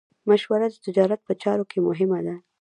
مشوره د تجارت په چارو کې مهمه ده.